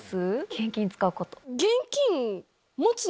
現金使うこと。